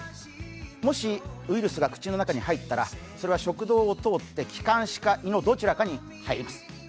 もしウイルスが口の中に入ったら、それは食道を通って気管支か胃のどちらかに入ります。